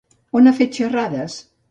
On ha fet xerrades?